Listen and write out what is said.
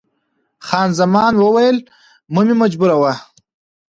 خان زمان وویل، مه مې مجبوروه.